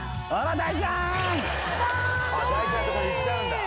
大ちゃんのとこ行っちゃうんだ！